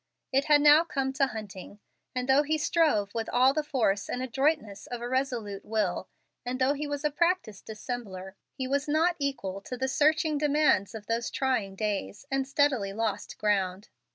It had now come to Hunting, and though he strove with all the force and adroitness of a resolute will and though he was a practiced dissembler, he was not equal to the searching demands of those trying days, and steadily lost ground.